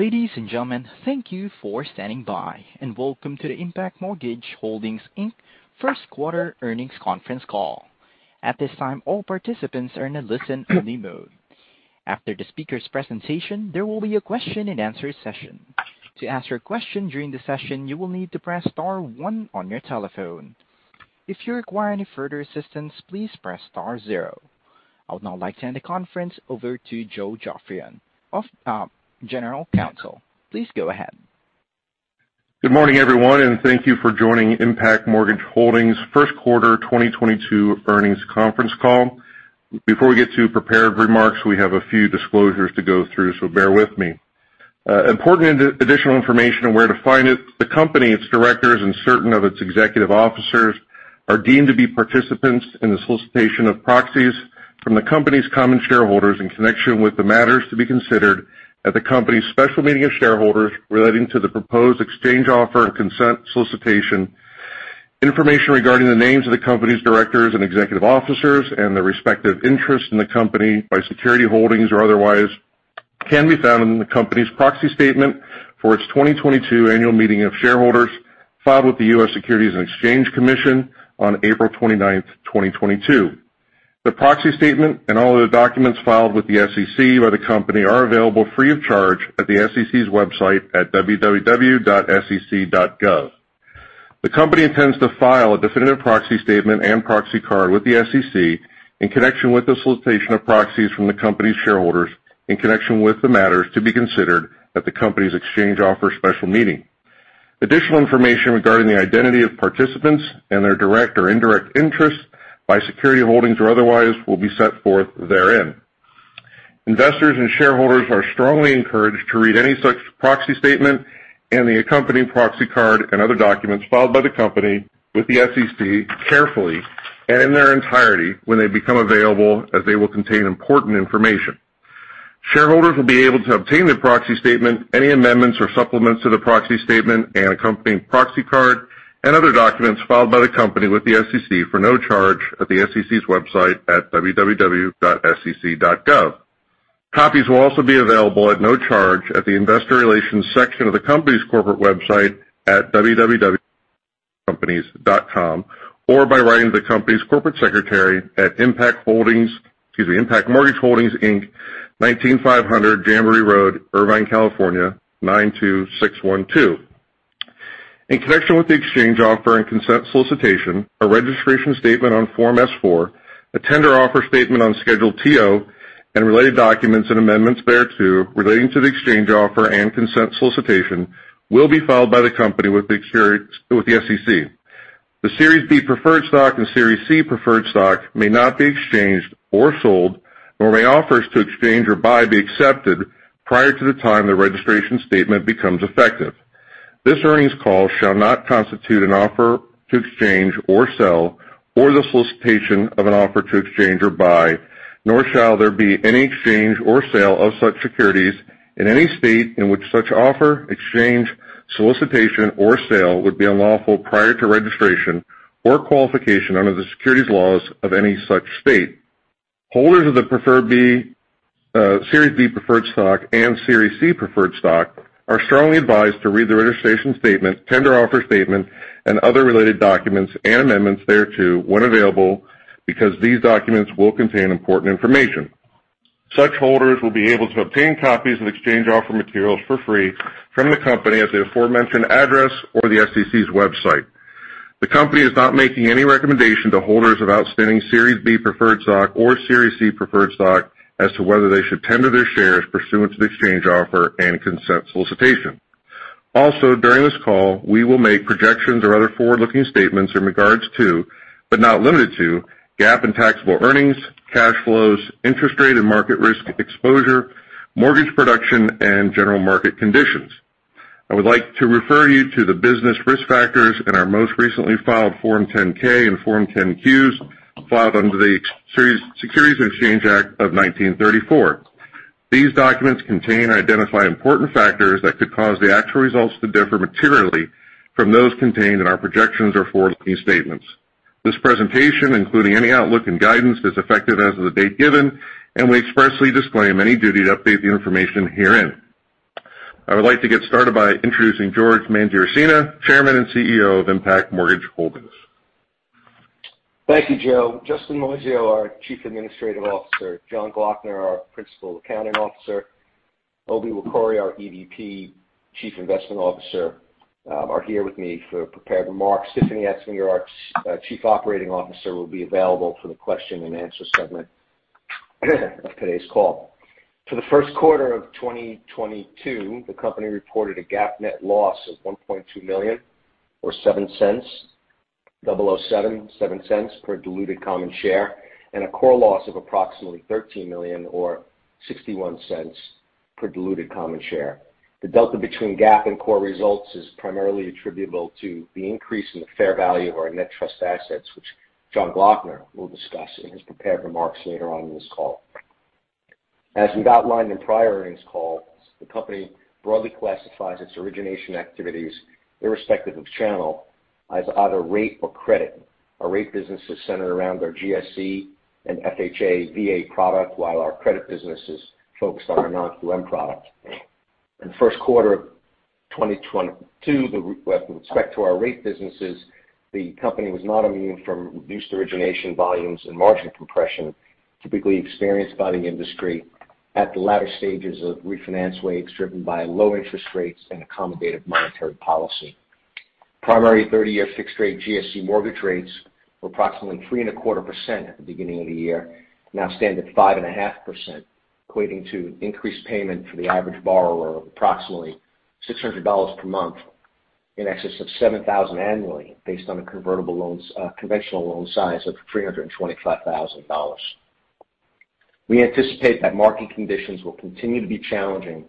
Ladies and gentlemen, thank you for standing by, and welcome to the Impac Mortgage Holdings, Inc. first quarter earnings conference call. At this time, all participants are in a listen-only mode. After the speaker's presentation, there will be a question and answer session. To ask your question during the session, you will need to press star one on your telephone. If you require any further assistance, please press star zero. I would now like to hand the conference over to Joe Joffrion of General Counsel. Please go ahead. Good morning, everyone, and thank you for joining Impac Mortgage Holdings first quarter 2022 earnings conference call. Before we get to prepared remarks, we have a few disclosures to go through, so bear with me. Important additional information on where to find it, the company, its directors, and certain of its executive officers are deemed to be participants in the solicitation of proxies from the company's common shareholders in connection with the matters to be considered at the company's special meeting of shareholders relating to the proposed exchange offer and consent solicitation. Information regarding the names of the company's directors and executive officers and their respective interests in the company by security holdings or otherwise can be found in the company's proxy statement for its 2022 annual meeting of shareholders filed with the US Securities and Exchange Commission on April 29, 2022. The proxy statement and all other documents filed with the SEC by the company are available free of charge at the SEC's website at www.sec.gov. The company intends to file a definitive proxy statement and proxy card with the SEC in connection with the solicitation of proxies from the company's shareholders in connection with the matters to be considered at the company's exchange offer special meeting. Additional information regarding the identity of participants and their direct or indirect interest by security holdings or otherwise will be set forth therein. Investors and shareholders are strongly encouraged to read any such proxy statement and the accompanying proxy card and other documents filed by the company with the SEC carefully and in their entirety when they become available, as they will contain important information. Shareholders will be able to obtain the proxy statement, any amendments or supplements to the proxy statement and accompanying proxy card and other documents filed by the company with the SEC for no charge at the SEC's website at www.sec.gov. Copies will also be available at no charge at the investor relations section of the company's corporate website at www.companies.com, or by writing to the company's corporate secretary at Impac Holdings, excuse me, Impac Mortgage Holdings, Inc., 19500 Jamboree Road, Irvine, California, 92612. In connection with the exchange offer and consent solicitation, a registration statement on Form S-4, a tender offer statement on Schedule TO, and related documents and amendments thereto relating to the exchange offer and consent solicitation will be filed by the company with the SEC. The Series B preferred stock and Series C preferred stock may not be exchanged or sold, nor may offers to exchange or buy be accepted prior to the time the registration statement becomes effective. This earnings call shall not constitute an offer to exchange or sell, or the solicitation of an offer to exchange or buy, nor shall there be any exchange or sale of such securities in any state in which such offer, exchange, solicitation, or sale would be unlawful prior to registration or qualification under the securities laws of any such state. Holders of the Series B preferred stock and Series C preferred stock are strongly advised to read the registration statement, tender offer statement, and other related documents and amendments thereto when available, because these documents will contain important information. Such holders will be able to obtain copies of exchange offer materials for free from the company at the aforementioned address or the SEC's website. The company is not making any recommendation to holders of outstanding Series B preferred stock or Series C preferred stock as to whether they should tender their shares pursuant to the exchange offer and consent solicitation. Also, during this call, we will make projections or other forward-looking statements in regards to, but not limited to, GAAP and taxable earnings, cash flows, interest rate and market risk exposure, mortgage production, and general market conditions. I would like to refer you to the business risk factors in our most recently filed Form 10-K and Form 10-Qs filed under the Securities Exchange Act of 1934. These documents contain and identify important factors that could cause the actual results to differ materially from those contained in our projections or forward-looking statements. This presentation, including any outlook and guidance, is effective as of the date given, and we expressly disclaim any duty to update the information herein. I would like to get started by introducing George Mangiaracina, Chairman and CEO of Impac Mortgage Holdings. Thank you, Joe. Justin Moisio, our Chief Administrative Officer, Jon Gloeckner, our Principal Accounting Officer, Obi Nwokorie, our EVP Chief Investment Officer, are here with me for prepared remarks. Tiffany Entsminger, our Chief Operating Officer, will be available for the question and answer segment of today's call. For the first quarter of 2022, the company reported a GAAP net loss of $1.2 million, or $0.07 per diluted common share, and a core loss of approximately $13 million or $0.61 per diluted common share. The delta between GAAP and core results is primarily attributable to the increase in the fair value of our net trust assets, which Jon Gloeckner will discuss in his prepared remarks later on in this call. As we've outlined in prior earnings calls, the company broadly classifies its origination activities irrespective of channel. As either rate or credit. Our rate business is centered around our GSE and FHA VA product, while our credit business is focused on our Non-QM product. In the first quarter of 2022, with respect to our rate businesses, the company was not immune from reduced origination volumes and margin compression typically experienced by the industry at the latter stages of refinance waves driven by low interest rates and accommodative monetary policy. Primary 30-year fixed-rate GSE mortgage rates were approximately 3.25% at the beginning of the year, now stand at 5.5%, equating to increased payment for the average borrower of approximately $600 per month, in excess of $7,000 annually, based on a conventional loan size of $325,000. We anticipate that market conditions will continue to be challenging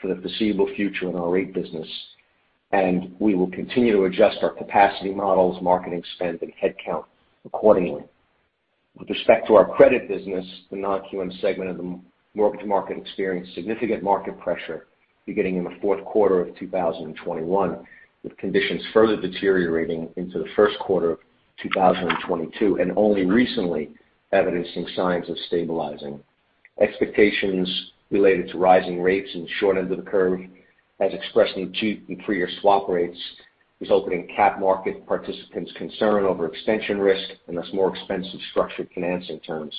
for the foreseeable future in our rate business, and we will continue to adjust our capacity models, marketing spend, and headcount accordingly. With respect to our credit business, the Non-QM segment of the mortgage market experienced significant market pressure beginning in the fourth quarter of 2021, with conditions further deteriorating into the first quarter of 2022, and only recently evidencing signs of stabilizing. Expectations related to rising rates in the short end of the curve, as expressed in 2- and 3-year swap rates, resulting in capital market participants' concern over extension risk and thus more expensive structured financing terms.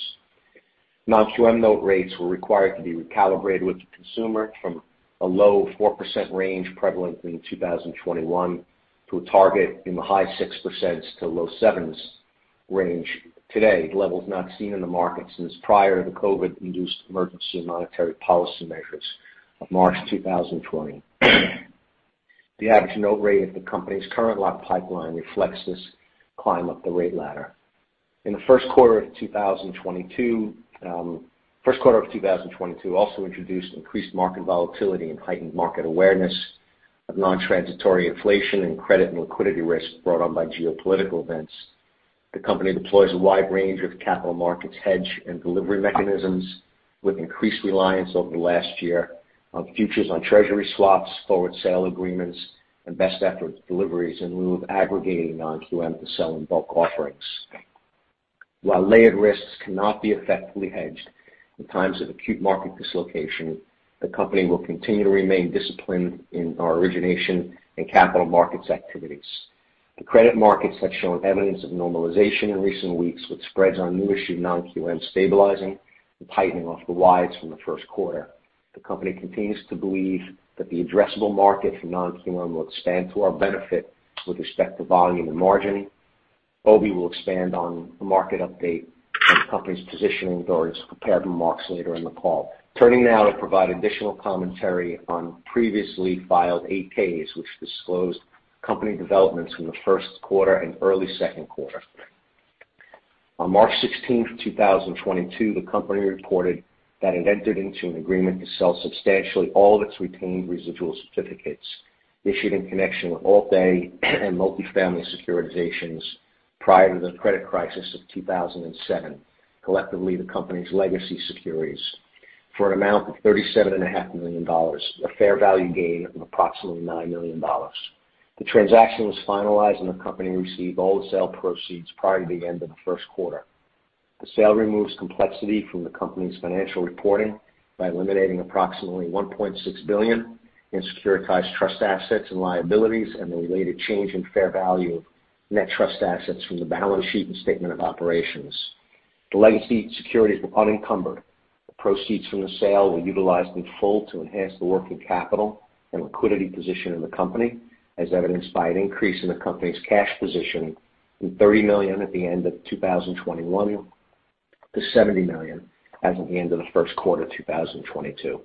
Non-QM note rates were required to be recalibrated with the consumer from a low 4% range prevalent in 2021 to a target in the high 6% to low 7% range today, levels not seen in the market since prior to the COVID-induced emergency monetary policy measures of March 2020. The average note rate at the company's current lock pipeline reflects this climb up the rate ladder. In the first quarter of 2022 also introduced increased market volatility and heightened market awareness of non-transitory inflation and credit and liquidity risk brought on by geopolitical events. The company deploys a wide range of capital markets hedge and delivery mechanisms with increased reliance over the last year on futures on treasury swaps, forward sale agreements, and best effort deliveries in lieu of aggregating Non-QM to sell in bulk offerings. While layered risks cannot be effectively hedged in times of acute market dislocation, the company will continue to remain disciplined in our origination and capital markets activities. The credit markets have shown evidence of normalization in recent weeks, with spreads on new issue Non-QM stabilizing and tightening off the wides from the first quarter. The company continues to believe that the addressable market for Non-QM will expand to our benefit with respect to volume and margin. Obi will expand on the market update and the company's positioning during his prepared remarks later in the call. Turning now to provide additional commentary on previously filed 10-Ks which disclosed company developments from the first quarter and early second quarter. On March 16, 2022, the company reported that it entered into an agreement to sell substantially all of its retained residual certificates issued in connection with Alt-A and multifamily securitizations prior to the credit crisis of 2007, collectively the company's legacy securities, for an amount of $37.5 million, a fair value gain of approximately $9 million. The transaction was finalized and the company received all the sale proceeds prior to the end of the first quarter. The sale removes complexity from the company's financial reporting by eliminating approximately $1.6 billion in securitized trust assets and liabilities and the related change in fair value of net trust assets from the balance sheet and statement of operations. The legacy securities were unencumbered. The proceeds from the sale were utilized in full to enhance the working capital and liquidity position in the company, as evidenced by an increase in the company's cash position from $30 million at the end of 2021 to $70 million as of the end of the first quarter of 2022.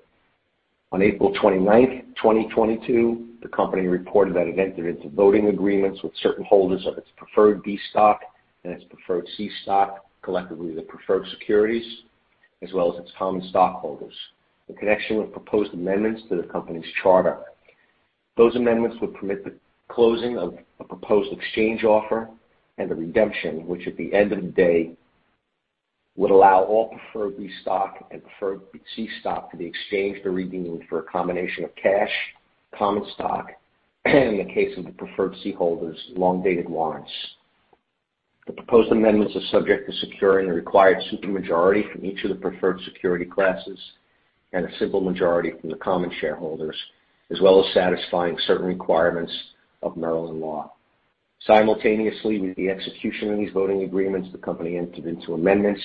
On April 29, 2022, the company reported that it entered into voting agreements with certain holders of its preferred B stock and its preferred C stock, collectively the preferred securities, as well as its common stockholders in connection with proposed amendments to the company's charter. Those amendments would permit the closing of a proposed exchange offer and a redemption, which at the end of the day would allow all preferred B stock and preferred C stock to be exchanged or redeemed for a combination of cash, common stock, and in the case of the preferred C holders, long-dated warrants. The proposed amendments are subject to securing a required supermajority from each of the preferred security classes and a simple majority from the common shareholders, as well as satisfying certain requirements of Maryland law. Simultaneously with the execution of these voting agreements, the company entered into amendments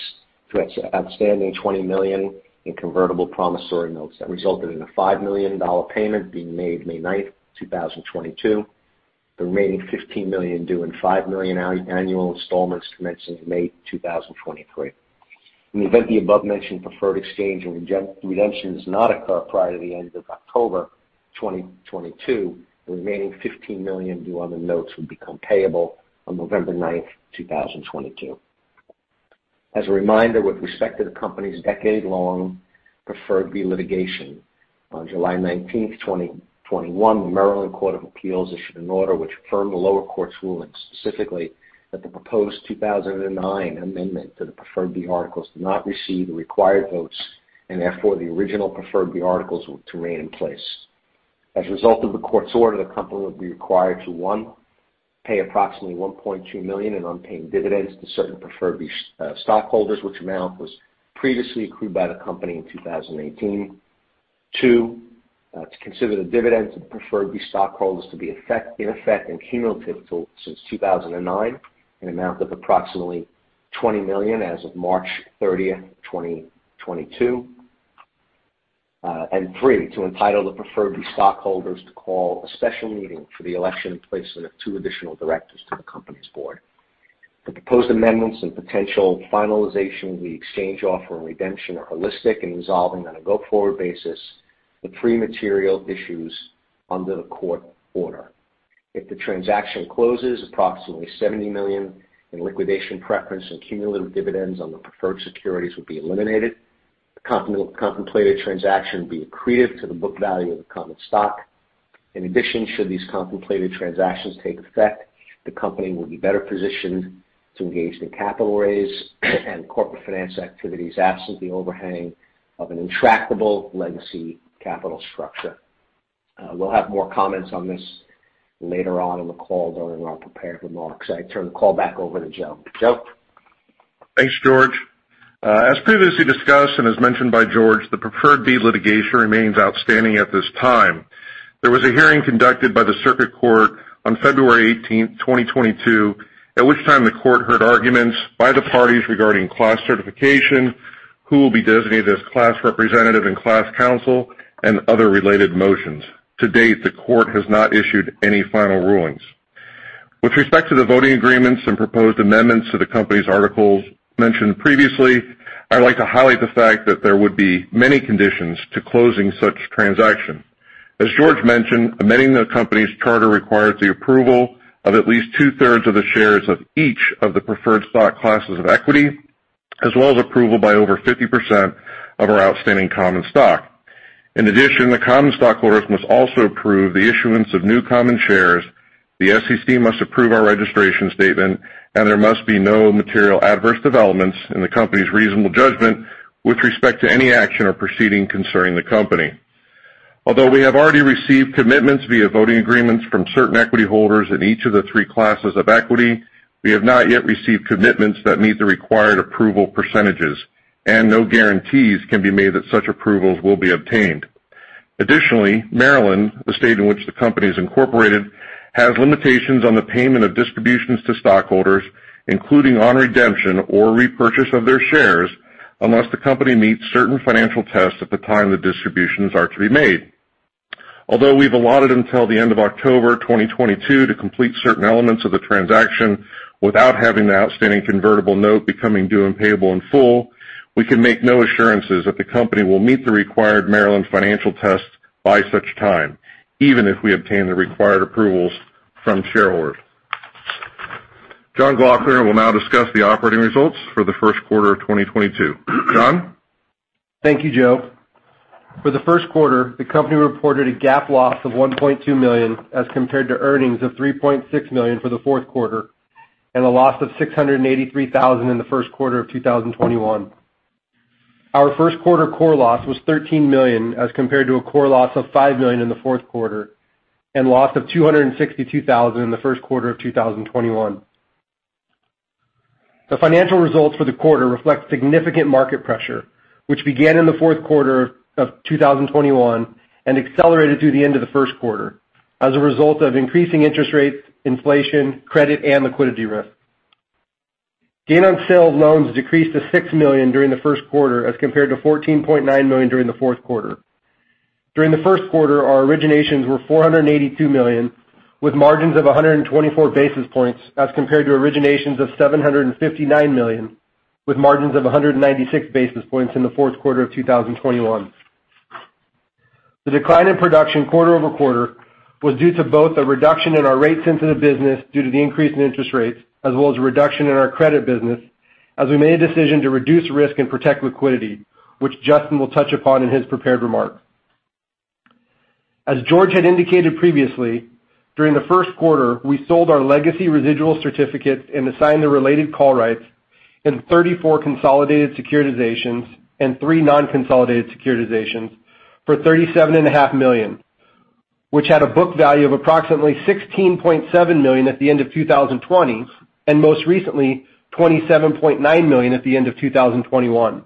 to its outstanding $20 million in convertible promissory notes. That resulted in a $5 million payment being made May 9, 2022, the remaining $15 million due in $5 million annual installments commencing May 2023. In the event the above-mentioned preferred exchange and redemption does not occur prior to the end of October 2022, the remaining $15 million due on the notes would become payable on November 9, 2022. As a reminder, with respect to the company's decade-long preferred B litigation, on July 19, 2021, the Maryland Court of Appeals issued an order which affirmed the lower court's ruling specifically that the proposed 2009 amendment to the preferred B articles did not receive the required votes and therefore the original preferred B articles were to remain in place. As a result of the court's order, the company will be required to, one, pay approximately $1.2 million in unpaid dividends to certain preferred B stockholders, which amount was previously accrued by the company in 2018. 2, to consider the dividends of preferred B stockholders to be in effect and cumulative since 2009 in amount of approximately $20 million as of March 30, 2022. 3, to entitle the preferred B stockholders to call a special meeting for the election and placement of 2 additional directors to the company's board. The proposed amendments and potential finalization of the exchange offer and redemption are holistic in resolving on a go-forward basis the three material issues under the court order. If the transaction closes, approximately $70 million in liquidation preference and cumulative dividends on the preferred securities would be eliminated. The contemplated transaction would be accretive to the book value of the common stock. In addition, should these contemplated transactions take effect, the company will be better positioned to engage in capital raise and corporate finance activities absent the overhang of an intractable legacy capital structure. We'll have more comments on this later on in the call during our prepared remarks. I turn the call back over to Joe. Joe? Thanks, George. As previously discussed and as mentioned by George, the Preferred B litigation remains outstanding at this time. There was a hearing conducted by the Circuit Court on February 18, 2022, at which time the court heard arguments by the parties regarding class certification, who will be designated as class representative and class counsel, and other related motions. To date, the court has not issued any final rulings. With respect to the voting agreements and proposed amendments to the company's articles mentioned previously, I'd like to highlight the fact that there would be many conditions to closing such transaction. As George mentioned, amending the company's charter requires the approval of at least two-thirds of the shares of each of the preferred stock classes of equity, as well as approval by over 50% of our outstanding common stock. In addition, the common stockholders must also approve the issuance of new common shares, the SEC must approve our registration statement, and there must be no material adverse developments in the company's reasonable judgment with respect to any action or proceeding concerning the company. Although we have already received commitments via voting agreements from certain equity holders in each of the three classes of equity, we have not yet received commitments that meet the required approval percentages, and no guarantees can be made that such approvals will be obtained. Additionally, Maryland, the state in which the company is incorporated, has limitations on the payment of distributions to stockholders, including on redemption or repurchase of their shares, unless the company meets certain financial tests at the time the distributions are to be made. Although we've allotted until the end of October 2022 to complete certain elements of the transaction without having the outstanding convertible note becoming due and payable in full, we can make no assurances that the company will meet the required Maryland financial tests by such time, even if we obtain the required approvals from shareholders. Jon Gloeckner will now discuss the operating results for the first quarter of 2022. Jon? Thank you, Joe. For the first quarter, the company reported a GAAP loss of $1.2 million as compared to earnings of $3.6 million for the fourth quarter and a loss of $683 thousand in the first quarter of 2021. Our first quarter core loss was $13 million as compared to a core loss of $5 million in the fourth quarter and loss of $262 thousand in the first quarter of 2021. The financial results for the quarter reflect significant market pressure, which began in the fourth quarter of 2021 and accelerated through the end of the first quarter as a result of increasing interest rates, inflation, credit, and liquidity risk. Gain on sale of loans decreased to $6 million during the first quarter as compared to $14.9 million during the fourth quarter. During the first quarter, our originations were $482 million with margins of 124 basis points as compared to originations of $759 million with margins of 196 basis points in the fourth quarter of 2021. The decline in production quarter-over-quarter was due to both a reduction in our rate-sensitive business due to the increase in interest rates as well as a reduction in our credit business as we made a decision to reduce risk and protect liquidity, which Justin will touch upon in his prepared remarks. As George had indicated previously, during the first quarter, we sold our legacy residual certificates and assigned the related call rights in 34 consolidated securitizations and 3 non-consolidated securitizations for $37 and a half million, which had a book value of approximately $16.7 million at the end of 2020, and most recently, $27.9 million at the end of 2021.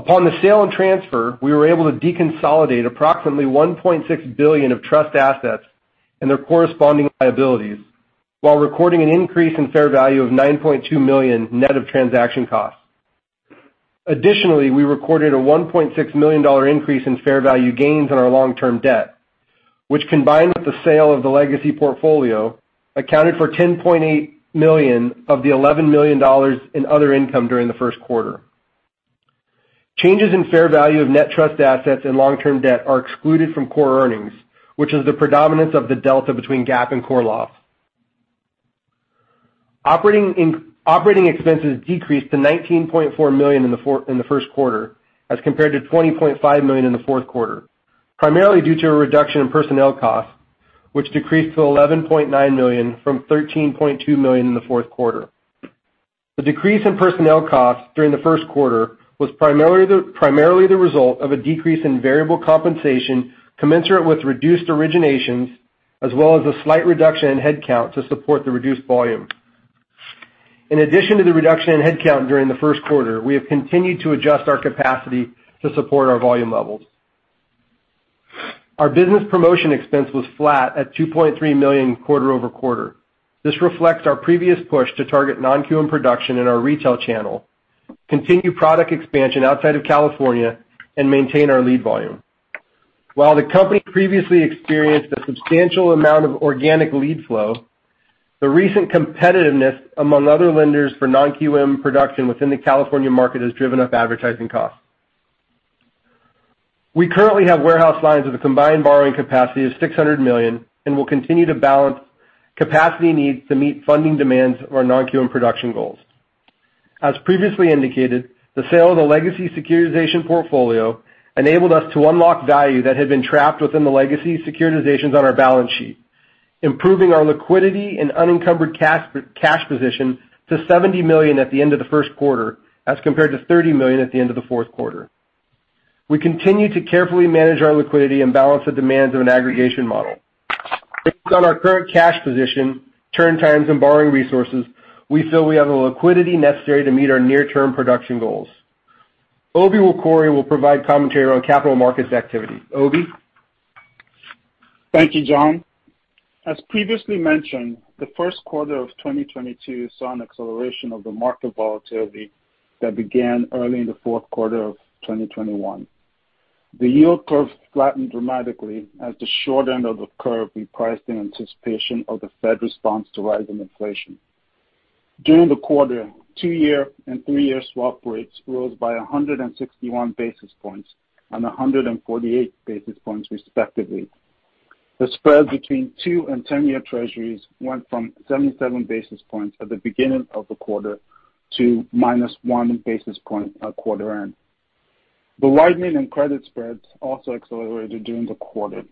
Upon the sale and transfer, we were able to deconsolidate approximately $1.6 billion of trust assets and their corresponding liabilities while recording an increase in fair value of $9.2 million net of transaction costs. Additionally, we recorded a $1.6 million dollar increase in fair value gains on our long-term debt, which combined with the sale of the legacy portfolio, accounted for $10.8 million of the $11 million dollars in other income during the first quarter. Changes in fair value of net trust assets and long-term debt are excluded from core earnings, which is the predominance of the delta between GAAP and core loss. Operating expenses decreased to $19.4 million in the first quarter as compared to $20.5 million in the fourth quarter, primarily due to a reduction in personnel costs, which decreased to $11.9 million from $13.2 million in the fourth quarter. The decrease in personnel costs during the first quarter was primarily the result of a decrease in variable compensation commensurate with reduced originations, as well as a slight reduction in headcount to support the reduced volume. In addition to the reduction in headcount during the first quarter, we have continued to adjust our capacity to support our volume levels. Our business promotion expense was flat at $2.3 million quarter-over-quarter. This reflects our previous push to target Non-QM production in our retail channel, continue product expansion outside of California, and maintain our lead volume. While the company previously experienced a substantial amount of organic lead flow, the recent competitiveness among other lenders for Non-QM production within the California market has driven up advertising costs. We currently have warehouse lines with a combined borrowing capacity of $600 million and will continue to balance capacity needs to meet funding demands of our Non-QM production goals. As previously indicated, the sale of the legacy securitization portfolio enabled us to unlock value that had been trapped within the legacy securitizations on our balance sheet, improving our liquidity and unencumbered cash position to $70 million at the end of the first quarter as compared to $30 million at the end of the fourth quarter. We continue to carefully manage our liquidity and balance the demands of an aggregation model. Based on our current cash position, turn times and borrowing resources, we feel we have the liquidity necessary to meet our near-term production goals. Obi Nwokorie will provide commentary on capital markets activity. Obi? Thank you, Jon. As previously mentioned, the first quarter of 2022 saw an acceleration of the market volatility that began early in the fourth quarter of 2021. The yield curve flattened dramatically as the short end of the curve repriced in anticipation of the Fed response to rising inflation. During the quarter, two-year and three-year swap rates rose by 161 basis points and 148 basis points respectively. The spread between two and ten-year Treasuries went from 77 basis points at the beginning of the quarter to -1 basis point at quarter end. The widening in credit spreads also accelerated during the quarter.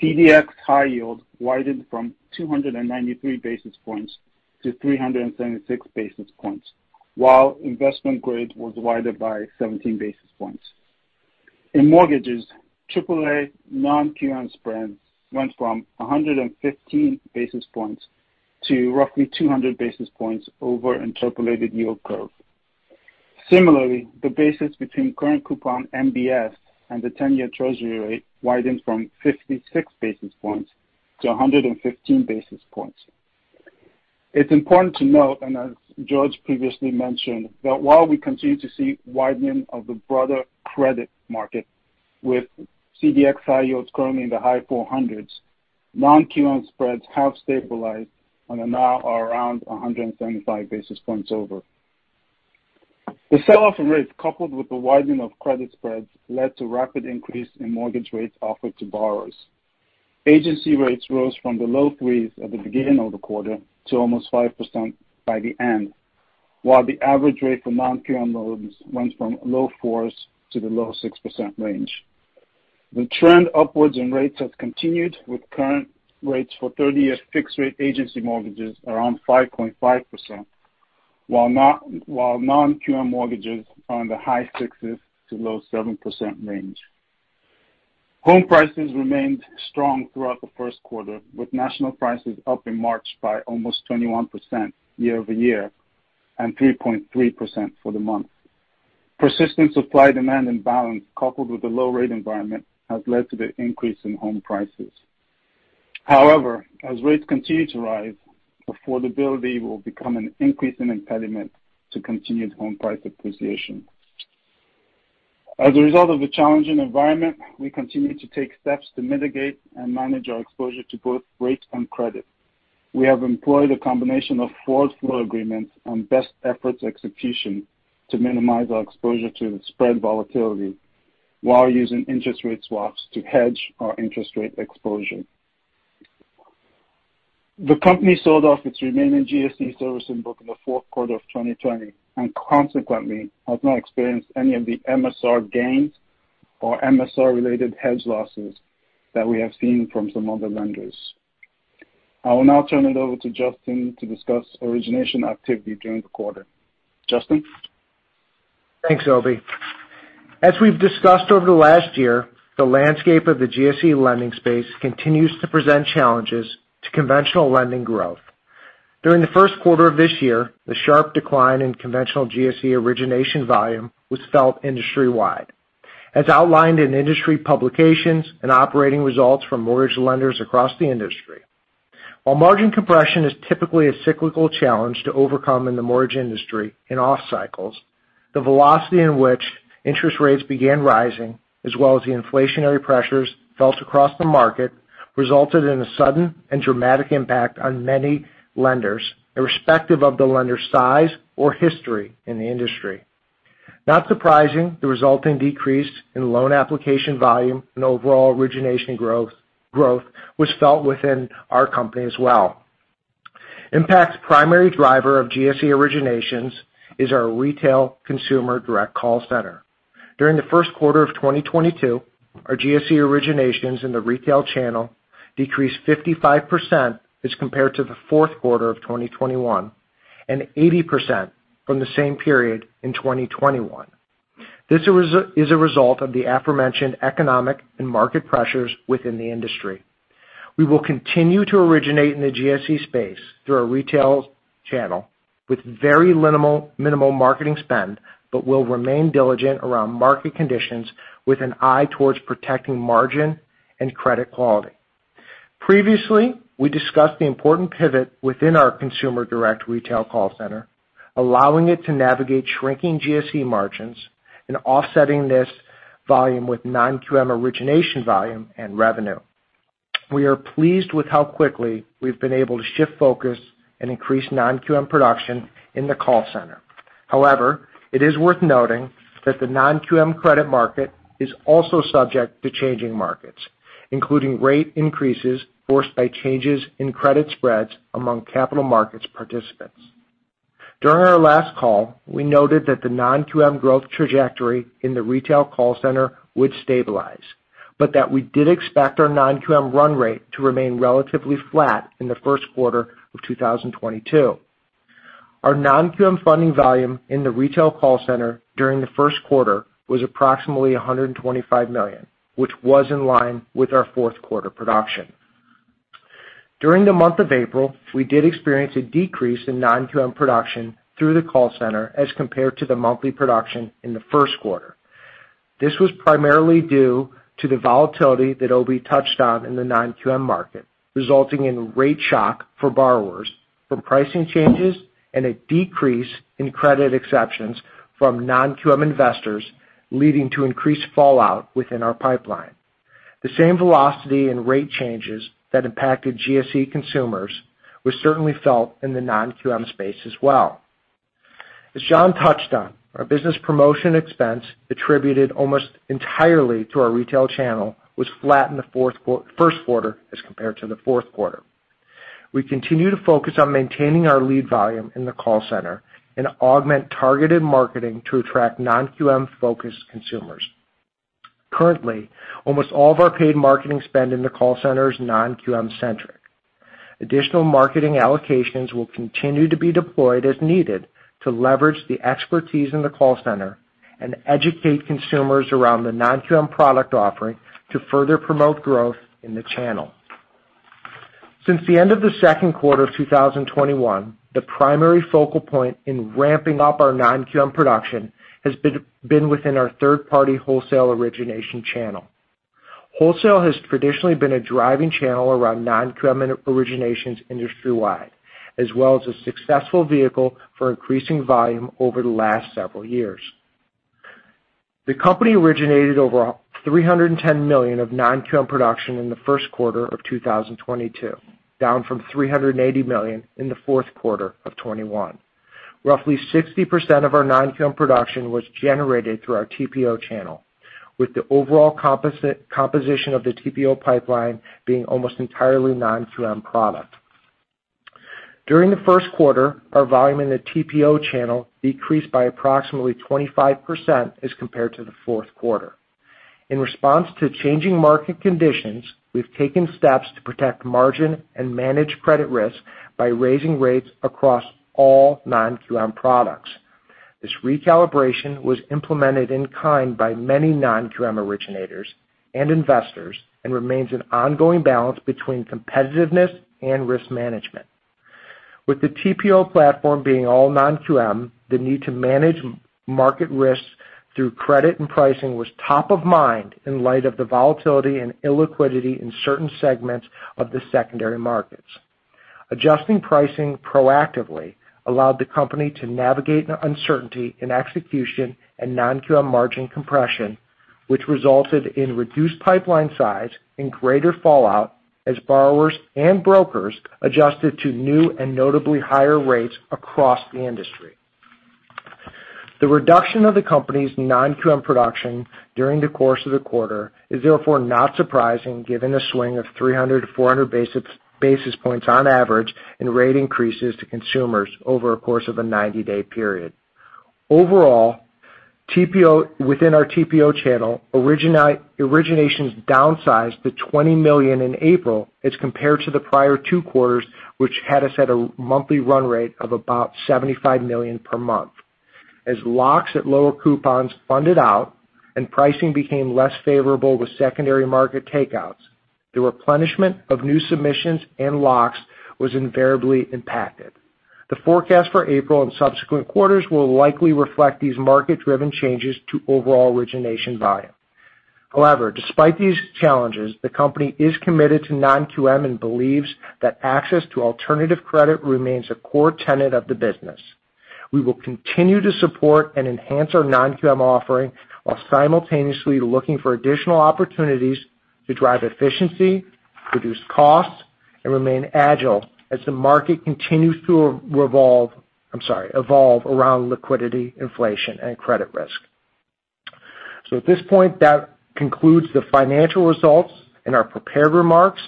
CDX high yield widened from 293 basis points to 376 basis points, while investment grade was widened by 17 basis points. In mortgages, triple A Non-QM spreads went from 115 basis points to roughly 200 basis points over interpolated yield curve. Similarly, the basis between current coupon MBS and the ten-year treasury rate widened from 56 basis points to 115 basis points. It's important to note, and as George previously mentioned, that while we continue to see widening of the broader credit market with CDX high yields currently in the high 400s, Non-QM spreads have stabilized and are now around 175 basis points over. The sell-off in rates, coupled with the widening of credit spreads, led to rapid increase in mortgage rates offered to borrowers. Agency rates rose from the low 3% at the beginning of the quarter to almost 5% by the end, while the average rate for Non-QM loans went from low 4% to the low 6% range. The trend upwards in rates has continued, with current rates for 30-year fixed rate agency mortgages around 5.5%, while Non-QM mortgages are in the high 6s to low 7% range. Home prices remained strong throughout the first quarter, with national prices up in March by almost 21% year-over-year and 3.3% for the month. Persistent supply demand imbalance, coupled with the low rate environment, has led to the increase in home prices. However, as rates continue to rise, affordability will become an increasing impediment to continued home price appreciation. As a result of the challenging environment, we continue to take steps to mitigate and manage our exposure to both rates and credit. We have employed a combination of forward flow agreements and best efforts execution to minimize our exposure to spread volatility while using interest rate swaps to hedge our interest rate exposure. The company sold off its remaining GSE servicing book in the fourth quarter of 2020, and consequently has not experienced any of the MSR gains or MSR-related hedge losses that we have seen from some other lenders. I will now turn it over to Justin to discuss origination activity during the quarter. Justin? Thanks, Obi. As we've discussed over the last year, the landscape of the GSE lending space continues to present challenges to conventional lending growth. During the first quarter of this year, the sharp decline in conventional GSE origination volume was felt industry-wide, as outlined in industry publications and operating results from mortgage lenders across the industry. While margin compression is typically a cyclical challenge to overcome in the mortgage industry in off cycles, the velocity in which interest rates began rising, as well as the inflationary pressures felt across the market, resulted in a sudden and dramatic impact on many lenders, irrespective of the lender size or history in the industry. Not surprising, the resulting decrease in loan application volume and overall origination growth was felt within our company as well. Impac's primary driver of GSE originations is our retail consumer direct call center. During the first quarter of 2022, our GSE originations in the retail channel decreased 55% as compared to the fourth quarter of 2021, and 80% from the same period in 2021. This is a result of the aforementioned economic and market pressures within the industry. We will continue to originate in the GSE space through our retail channel with very minimal marketing spend, but will remain diligent around market conditions with an eye towards protecting margin and credit quality. Previously, we discussed the important pivot within our consumer direct retail call center, allowing it to navigate shrinking GSE margins and offsetting this volume with Non-QM origination volume and revenue. We are pleased with how quickly we've been able to shift focus and increase Non-QM production in the call center. However, it is worth noting that the Non-QM credit market is also subject to changing markets, including rate increases forced by changes in credit spreads among capital markets participants. During our last call, we noted that the Non-QM growth trajectory in the retail call center would stabilize, but that we did expect our Non-QM run rate to remain relatively flat in the first quarter of 2022. Our Non-QM funding volume in the retail call center during the first quarter was approximately $125 million, which was in line with our fourth quarter production. During the month of April, we did experience a decrease in Non-QM production through the call center as compared to the monthly production in the first quarter. This was primarily due to the volatility that OB touched on in the Non-QM market, resulting in rate shock for borrowers from pricing changes and a decrease in credit exceptions from Non-QM investors, leading to increased fallout within our pipeline. The same velocity and rate changes that impacted GSE consumers was certainly felt in the Non-QM space as well. As Jon touched on, our business promotion expense attributed almost entirely to our retail channel was flat in the first quarter as compared to the fourth quarter. We continue to focus on maintaining our lead volume in the call center and augment targeted marketing to attract Non-QM focused consumers. Currently, almost all of our paid marketing spend in the call center is Non-QM centric. Additional marketing allocations will continue to be deployed as needed to leverage the expertise in the call center and educate consumers around the Non-QM product offering to further promote growth in the channel. Since the end of the second quarter of 2021, the primary focal point in ramping up our Non-QM production has been within our third-party wholesale origination channel. Wholesale has traditionally been a driving channel around Non-QM originations industry-wide, as well as a successful vehicle for increasing volume over the last several years. The company originated over $310 million of Non-QM production in the first quarter of 2022, down from $380 million in the fourth quarter of 2021. Roughly 60% of our Non-QM production was generated through our TPO channel, with the overall composition of the TPO pipeline being almost entirely Non-QM product. During the first quarter, our volume in the TPO channel decreased by approximately 25% as compared to the fourth quarter. In response to changing market conditions, we've taken steps to protect margin and manage credit risk by raising rates across all Non-QM products. This recalibration was implemented in kind by many Non-QM originators and investors, and remains an ongoing balance between competitiveness and risk management. With the TPO platform being all Non-QM, the need to manage market risks through credit and pricing was top of mind in light of the volatility and illiquidity in certain segments of the secondary markets. Adjusting pricing proactively allowed the company to navigate an uncertainty in execution and Non-QM margin compression, which resulted in reduced pipeline size and greater fallout as borrowers and brokers adjusted to new and notably higher rates across the industry. The reduction of the company's Non-QM production during the course of the quarter is therefore not surprising given the swing of 300-400 basis points on average, and rate increases to consumers over a course of a 90-day period. Overall, TPO within our TPO channel, originations downsized to $20 million in April as compared to the prior two quarters, which had us at a monthly run rate of about $75 million per month. As locks at lower coupons funded out and pricing became less favorable with secondary market takeouts, the replenishment of new submissions and locks was invariably impacted. The forecast for April and subsequent quarters will likely reflect these market-driven changes to overall origination volume. However, despite these challenges, the company is committed to Non-QM and believes that access to alternative credit remains a core tenet of the business. We will continue to support and enhance our Non-QM offering while simultaneously looking for additional opportunities to drive efficiency, reduce costs, and remain agile as the market continues to evolve around liquidity, inflation, and credit risk. So at this point, that concludes the financial results and our prepared remarks.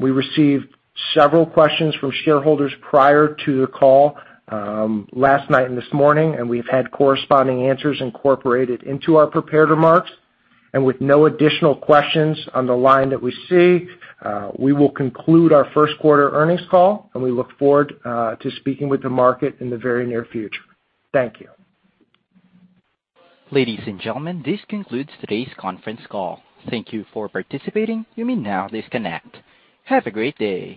We received several questions from shareholders prior to the call, last night and this morning, and we've had corresponding answers incorporated into our prepared remarks. With no additional questions on the line that we see, we will conclude our first quarter earnings call, and we look forward to speaking with the market in the very near future. Thank you. Ladies and gentlemen, this concludes today's conference call. Thank you for participating. You may now disconnect. Have a great day.